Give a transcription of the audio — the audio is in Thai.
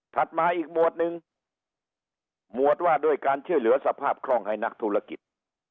มาอีกหมวดหนึ่งหมวดว่าด้วยการช่วยเหลือสภาพคล่องให้นักธุรกิจ